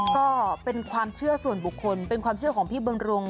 ก็เป็นความเชื่อส่วนบุคคลเป็นความเชื่อของพี่บำรุง